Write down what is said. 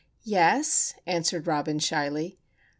"Yes," answered Robin, shyly.